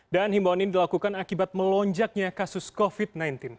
dan himbauan ini dilakukan akibat melonjaknya kasus covid sembilan belas